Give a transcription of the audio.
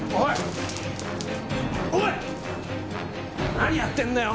何やってんだよ